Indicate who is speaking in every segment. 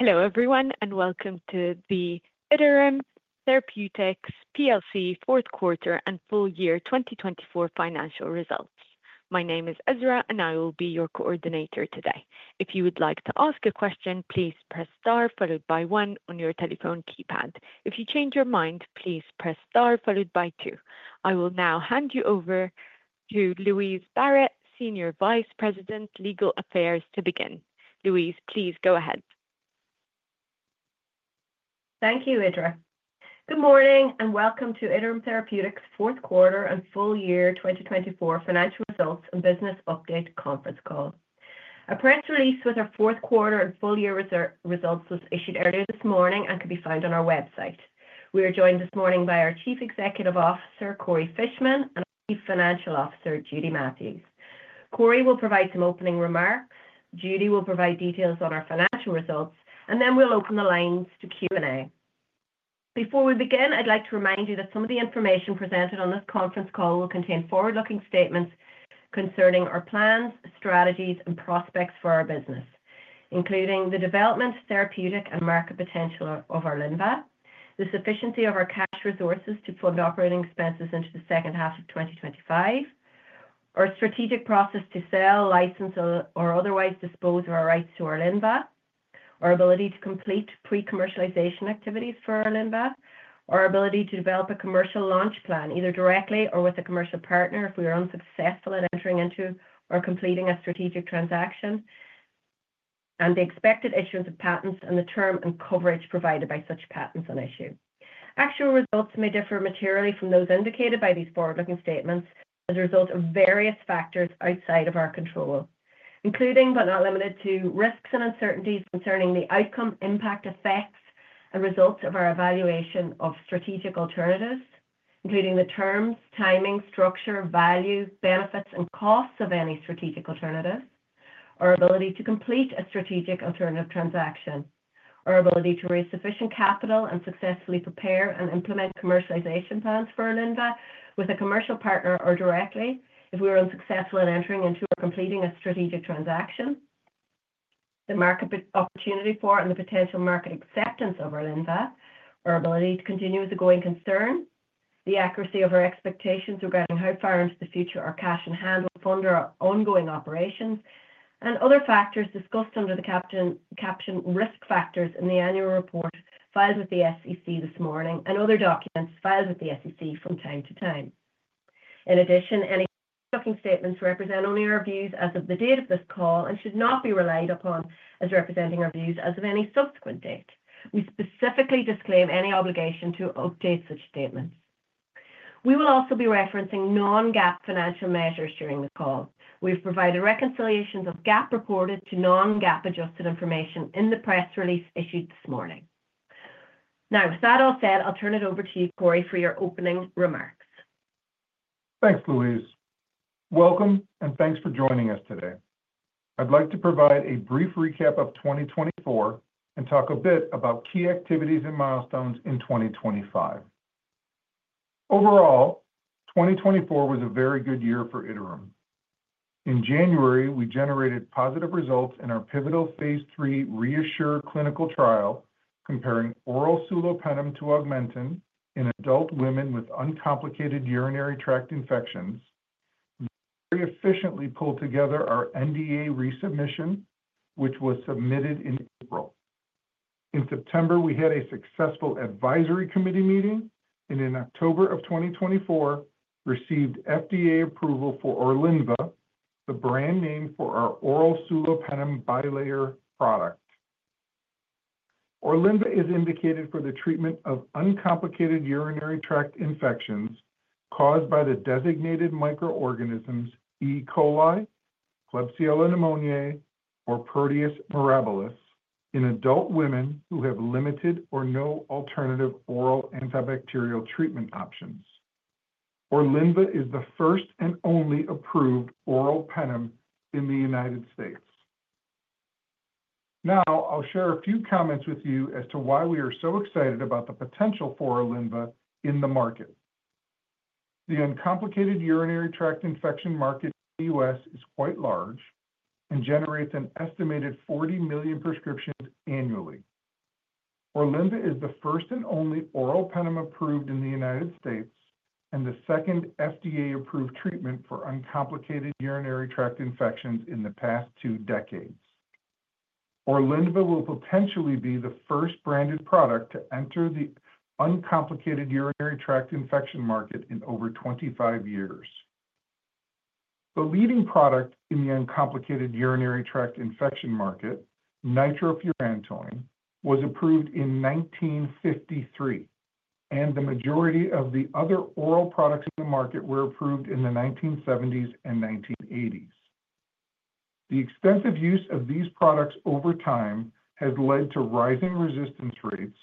Speaker 1: Hello everyone and welcome to the Iterum Therapeutics fourth quarter and full year 2024 financial results. My name is Ezra and I will be your coordinator today. If you would like to ask a question, please press star followed by one on your telephone keypad. If you change your mind, please press star followed by two. I will now hand you over to Louise Barrett, Senior Vice President, Legal Affairs, to begin. Louise, please go ahead.
Speaker 2: Thank you, Ezra. Good morning and welcome to Iterum Therapeutics fourth quarter and full year 2024 financial results and business update conference call. A press release with our fourth quarter and full year results was issued earlier this morning and can be found on our website. We are joined this morning by our Chief Executive Officer, Corey Fishman, and our Chief Financial Officer, Judy Matthews. Corey will provide some opening remarks, Judy will provide details on our financial results, and then we'll open the lines to Q&A. Before we begin, I'd like to remind you that some of the information presented on this conference call will contain forward-looking statements concerning our plans, strategies, and prospects for our business, including the development, therapeutic, and market potential of Orlinva, the sufficiency of our cash resources to fund operating expenses into the second half of 2025, our strategic process to sell, license, or otherwise dispose of our rights to Orlinva, our ability to complete pre-commercialization activities for Orlinva, our ability to develop a commercial launch plan either directly or with a commercial partner if we are unsuccessful at entering into or completing a strategic transaction, and the expected issuance of patents and the term and coverage provided by such patents on issue. Actual results may differ materially from those indicated by these forward-looking statements as a result of various factors outside of our control, including but not limited to risks and uncertainties concerning the outcome, impact, effects, and results of our evaluation of strategic alternatives, including the terms, timing, structure, value, benefits, and costs of any strategic alternative, our ability to complete a strategic alternative transaction, our ability to raise sufficient capital and successfully prepare and implement commercialization plans for Orlinva with a commercial partner or directly if we are unsuccessful at entering into or completing a strategic transaction. The market opportunity for and the potential market acceptance of Orlinva, our ability to continue with the going concern, the accuracy of our expectations regarding how far into the future our cash can handle, fund our ongoing operations, and other factors discussed under the captioned risk factors in the annual report filed with the SEC this morning and other documents filed with the SEC from time to time. In addition, any forward-looking statements represent only our views as of the date of this call and should not be relied upon as representing our views as of any subsequent date. We specifically disclaim any obligation to update such statements. We will also be referencing non-GAAP financial measures during the call. We have provided reconciliations of GAAP reported to non-GAAP adjusted information in the press release issued this morning. Now, with that all said, I'll turn it over to you, Corey, for your opening remarks.
Speaker 3: Thanks, Louise. Welcome and thanks for joining us today. I'd like to provide a brief recap of 2024 and talk a bit about key activities and milestones in 2025. Overall, 2024 was a very good year for Iterum. In January, we generated positive results in our pivotal phase 3 ReAssure clinical trial comparing oral sulopenem to Augmentin in adult women with uncomplicated urinary tract infections. We very efficiently pulled together our NDA resubmission, which was submitted in April. In September, we had a successful advisory committee meeting and in October of 2024, received FDA approval for Orlinva, the brand name for our oral sulopenem bilayer product. Orlinva is indicated for the treatment of uncomplicated urinary tract infections caused by the designated microorganisms E. coli, Klebsiella pneumoniae, or Proteus mirabilis in adult women who have limited or no alternative oral antibacterial treatment options. Orlinva is the first and only approved oral penem in the United States. Now, I'll share a few comments with you as to why we are so excited about the potential for Orlinva in the market. The uncomplicated urinary tract infection market in the US is quite large and generates an estimated 40 million prescriptions annually. Orlinva is the first and only oral penem approved in the United States and the second FDA approved treatment for uncomplicated urinary tract infections in the past two decades. Orlinva will potentially be the first branded product to enter the uncomplicated urinary tract infection market in over 25 years. The leading product in the uncomplicated urinary tract infection market, nitrofurantoin, was approved in 1953, and the majority of the other oral products in the market were approved in the 1970s and 1980s. The extensive use of these products over time has led to rising resistance rates,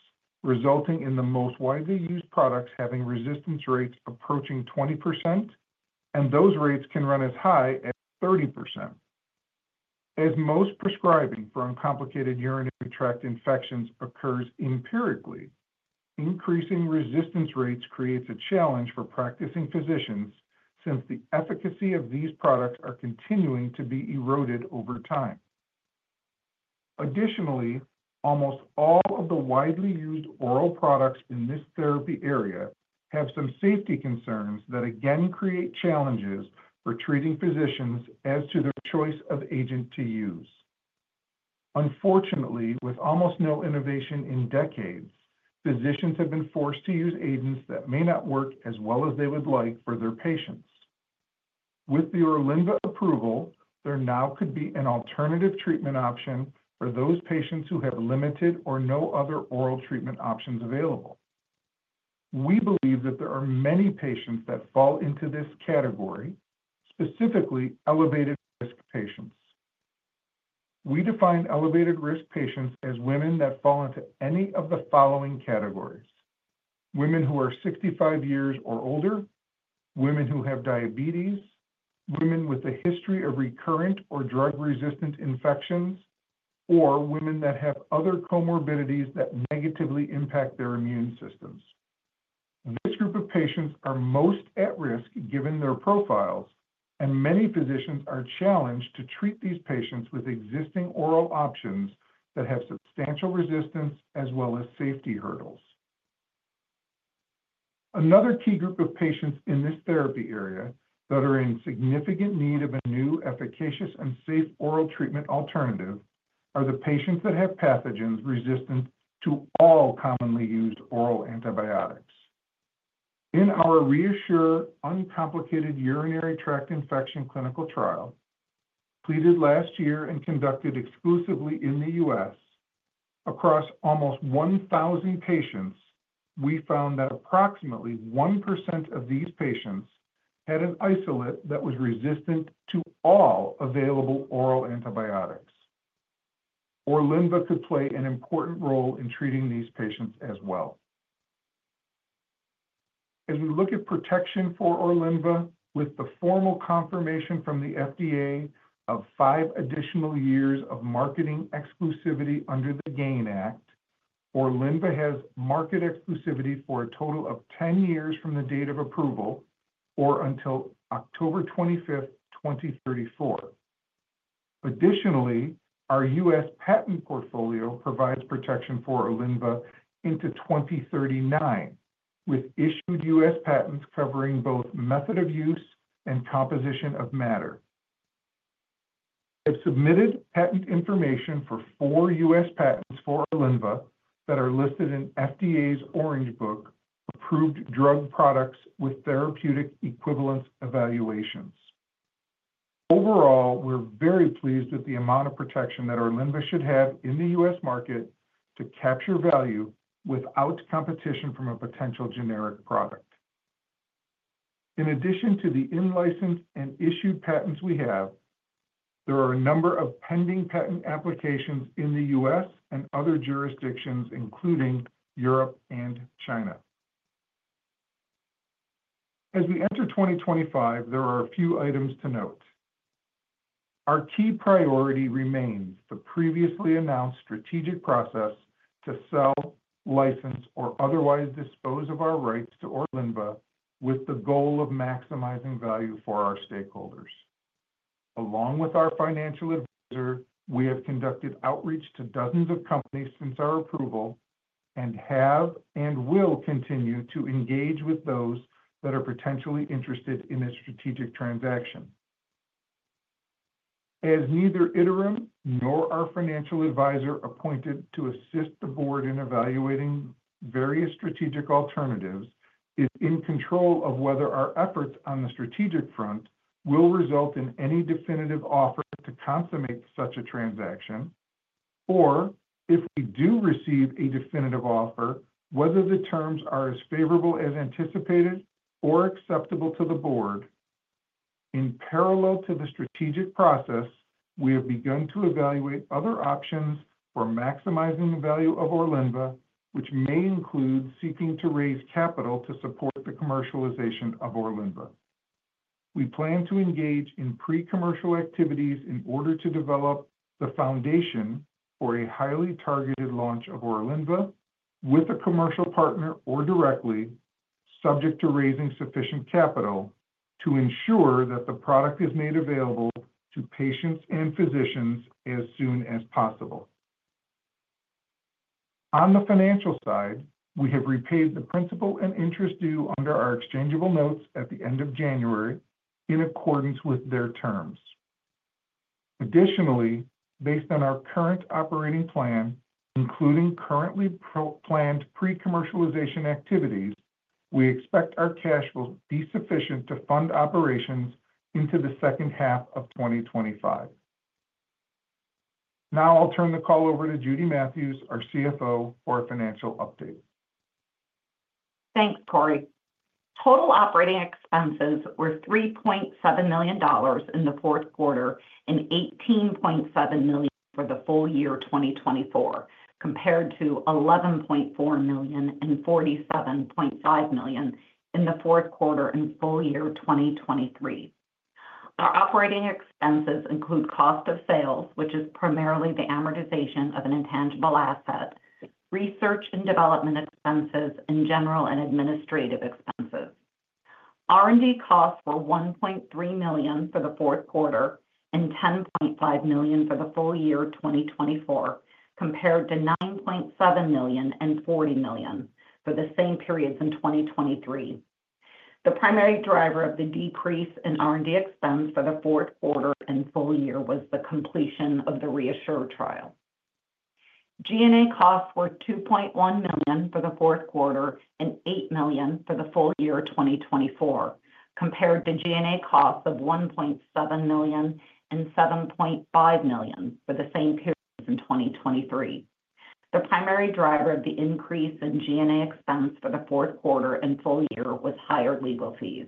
Speaker 3: resulting in the most widely used products having resistance rates approaching 20%, and those rates can run as high as 30%. As most prescribing for uncomplicated urinary tract infections occurs empirically, increasing resistance rates creates a challenge for practicing physicians since the efficacy of these products is continuing to be eroded over time. Additionally, almost all of the widely used oral products in this therapy area have some safety concerns that again create challenges for treating physicians as to their choice of agent to use. Unfortunately, with almost no innovation in decades, physicians have been forced to use agents that may not work as well as they would like for their patients. With the Orlinva approval, there now could be an alternative treatment option for those patients who have limited or no other oral treatment options available. We believe that there are many patients that fall into this category, specifically elevated risk patients. We define elevated risk patients as women that fall into any of the following categories: women who are 65 years or older, women who have diabetes, women with a history of recurrent or drug-resistant infections, or women that have other comorbidities that negatively impact their immune systems. This group of patients is most at risk given their profiles, and many physicians are challenged to treat these patients with existing oral options that have substantial resistance as well as safety hurdles. Another key group of patients in this therapy area that are in significant need of a new, efficacious, and safe oral treatment alternative are the patients that have pathogens resistant to all commonly used oral antibiotics. In our ReAssure uncomplicated urinary tract infection clinical trial, completed last year and conducted exclusively in the U.S., across almost 1,000 patients, we found that approximately 1% of these patients had an isolate that was resistant to all available oral antibiotics. Orlinva could play an important role in treating these patients as well. As we look at protection for Orlinva, with the formal confirmation from the FDA of five additional years of marketing exclusivity under the GAIN Act, Orlinva has market exclusivity for a total of 10 years from the date of approval or until October 25th, 2034. Additionally, our US patent portfolio provides protection for Orlinva into 2039, with issued US patents covering both method of use and composition of matter. I've submitted patent information for four US patents for Orlinva that are listed in FDA's Orange Book, Approved Drug Products with Therapeutic Equivalence Evaluations. Overall, we're very pleased with the amount of protection that Orlinva should have in the US market to capture value without competition from a potential generic product. In addition to the in-licensed and issued patents we have, there are a number of pending patent applications in the US and other jurisdictions, including Europe and China. As we enter 2025, there are a few items to note. Our key priority remains the previously announced strategic process to sell, license, or otherwise dispose of our rights to Orlinva with the goal of maximizing value for our stakeholders. Along with our financial advisor, we have conducted outreach to dozens of companies since our approval and have and will continue to engage with those that are potentially interested in a strategic transaction. As neither Iterum nor our financial advisor appointed to assist the board in evaluating various strategic alternatives is in control of whether our efforts on the strategic front will result in any definitive offer to consummate such a transaction, or if we do receive a definitive offer, whether the terms are as favorable as anticipated or acceptable to the board. In parallel to the strategic process, we have begun to evaluate other options for maximizing the value of Orlinva, which may include seeking to raise capital to support the commercialization of Orlinva. We plan to engage in pre-commercial activities in order to develop the foundation for a highly targeted launch of Orlinva with a commercial partner or directly, subject to raising sufficient capital to ensure that the product is made available to patients and physicians as soon as possible. On the financial side, we have repaid the principal and interest due under our exchangeable notes at the end of January in accordance with their terms. Additionally, based on our current operating plan, including currently planned pre-commercialization activities, we expect our cash will be sufficient to fund operations into the second half of 2025. Now I'll turn the call over to Judy Matthews, our CFO, for a financial update.
Speaker 4: Thanks, Corey. Total operating expenses were $3.7 million in the fourth quarter and $18.7 million for the full year 2024, compared to $11.4 million and $47.5 million in the fourth quarter and full year 2023. Our operating expenses include cost of sales, which is primarily the amortization of an intangible asset, research and development expenses, and general and administrative expenses. R&D costs were $1.3 million for the fourth quarter and $10.5 million for the full year 2024, compared to $9.7 million and $40 million for the same periods in 2023. The primary driver of the decrease in R&D expense for the fourth quarter and full year was the completion of the ReAssure trial. G&A costs were $2.1 million for the fourth quarter and $8 million for the full year 2024, compared to G&A costs of $1.7 million and $7.5 million for the same periods in 2023. The primary driver of the increase in G&A expense for the fourth quarter and full year was higher legal fees.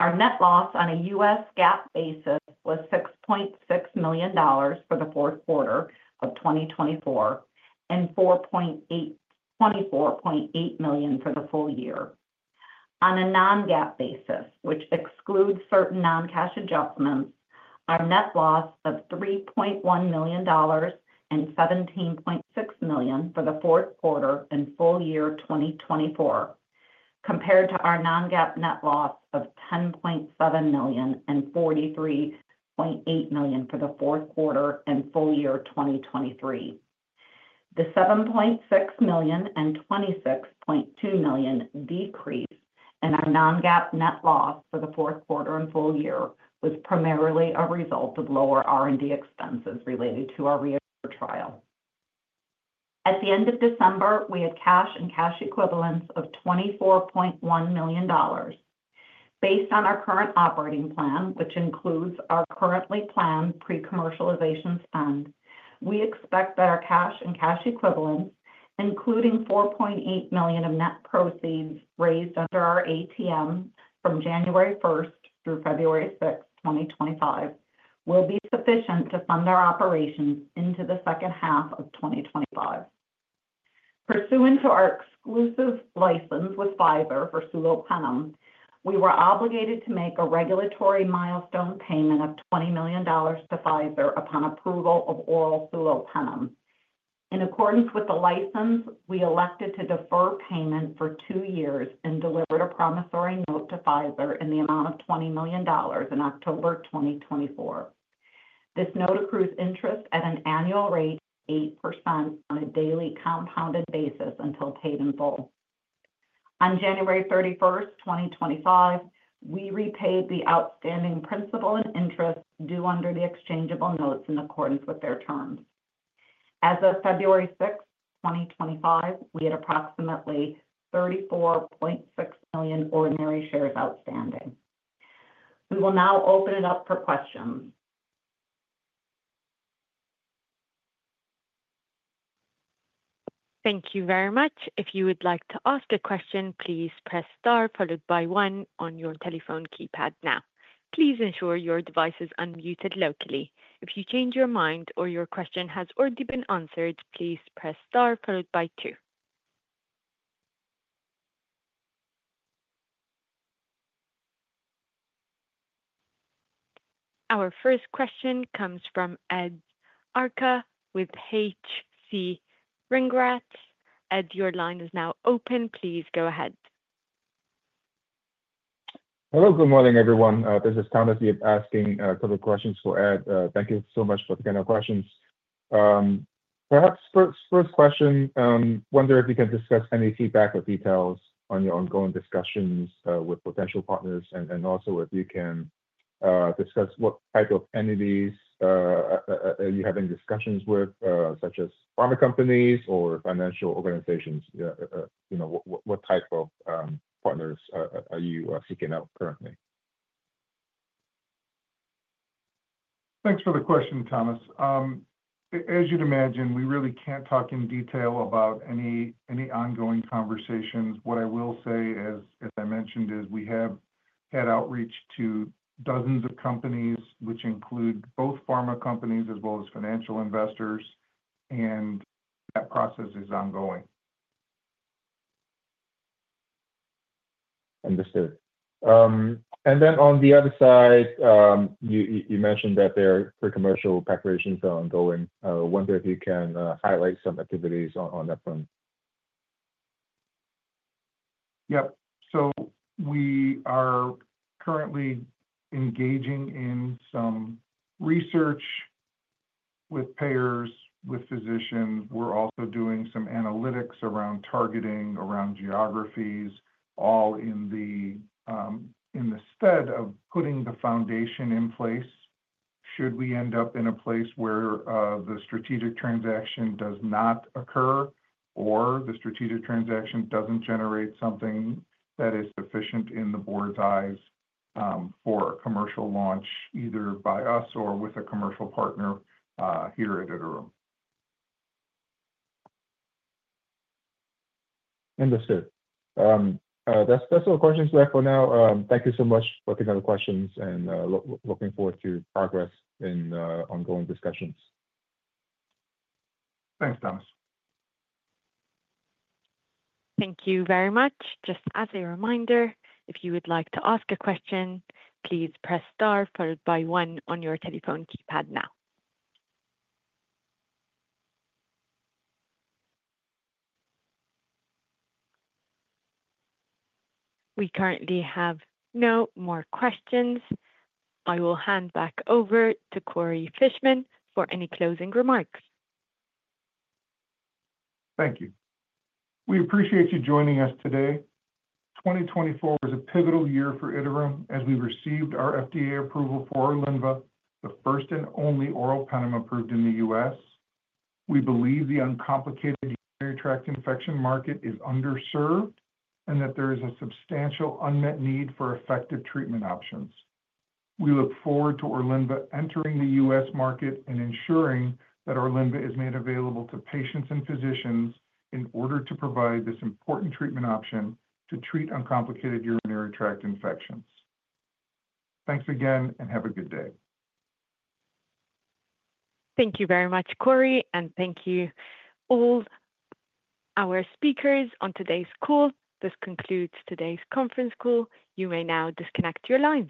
Speaker 4: Our net loss on a US GAAP basis was $6.6 million for the fourth quarter of 2024 and $4.8 million for the full year. On a non-GAAP basis, which excludes certain non-cash adjustments, our net loss of $3.1 million and $17.6 million for the fourth quarter and full year 2024, compared to our non-GAAP net loss of $10.7 million and $43.8 million for the fourth quarter and full year 2023. The $7.6 million and $26.2 million decrease in our non-GAAP net loss for the fourth quarter and full year was primarily a result of lower R&D expenses related to our ReAssure trial. At the end of December, we had cash and cash equivalents of $24.1 million. Based on our current operating plan, which includes our currently planned pre-commercialization spend, we expect that our cash and cash equivalents, including $4.8 million of net proceeds raised under our ATM from January 1 through February 6, 2025, will be sufficient to fund our operations into the second half of 2025. Pursuant to our exclusive license with Pfizer for sulopenem, we were obligated to make a regulatory milestone payment of $20 million to Pfizer upon approval of oral sulopenem. In accordance with the license, we elected to defer payment for two years and delivered a promissory note to Pfizer in the amount of $20 million in October 2024. This note accrues interest at an annual rate of 8% on a daily compounded basis until paid in full. On January 31, 2025, we repaid the outstanding principal and interest due under the exchangeable notes in accordance with their terms. As of February 6th, 2025, we had approximately $34.6 million ordinary shares outstanding. We will now open it up for questions.
Speaker 1: Thank you very much. If you would like to ask a question, please press Star followed by One on your telephone keypad now. Please ensure your device is unmuted locally. If you change your mind or your question has already been answered, please press Star followed by Two. Our first question comes from Ed Arce with H.C. Wainwright. Ed, your line is now open. Please go ahead.
Speaker 5: Hello, good morning, everyone. This is Thomas Yip asking a couple of questions for Ed. Thank you so much for taking our questions. Perhaps first question, wonder if you can discuss any feedback or details on your ongoing discussions with potential partners and also if you can discuss what type of entities you have any discussions with, such as pharma companies or financial organizations. What type of partners are you seeking out currently?
Speaker 3: Thanks for the question, Thomas. As you'd imagine, we really can't talk in detail about any ongoing conversations. What I will say, as I mentioned, is we have had outreach to dozens of companies, which include both pharma companies as well as financial investors, and that process is ongoing.
Speaker 5: Understood. On the other side, you mentioned that there are pre-commercial preparations that are ongoing. Wonder if you can highlight some activities on that front.
Speaker 3: Yep. We are currently engaging in some research with payers, with physicians. We're also doing some analytics around targeting, around geographies, all in the stead of putting the foundation in place. Should we end up in a place where the strategic transaction does not occur or the strategic transaction doesn't generate something that is sufficient in the board's eyes for a commercial launch either by us or with a commercial partner here at Iterum?
Speaker 5: Understood. That's all the questions we have for now. Thank you so much for taking our questions and looking forward to progress in ongoing discussions.
Speaker 3: Thanks, Thomas.
Speaker 1: Thank you very much. Just as a reminder, if you would like to ask a question, please press Star followed by One on your telephone keypad now. We currently have no more questions. I will hand back over to Corey Fishman for any closing remarks.
Speaker 3: Thank you. We appreciate you joining us today. 2024 was a pivotal year for Iterum as we received our FDA approval for Orlinva, the first and only oral penem approved in the U.S. We believe the uncomplicated urinary tract infection market is underserved and that there is a substantial unmet need for effective treatment options. We look forward to Orlinva entering the U.S. market and ensuring that Orlinva is made available to patients and physicians in order to provide this important treatment option to treat uncomplicated urinary tract infections. Thanks again and have a good day.
Speaker 1: Thank you very much, Corey, and thank you all our speakers on today's call. This concludes today's conference call. You may now disconnect your lines.